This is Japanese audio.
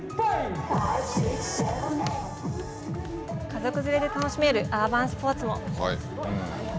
家族連れで楽しめるアーバンスポーツも。